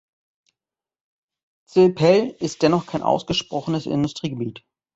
Csepel ist dennoch kein ausgesprochenes Industriegebiet.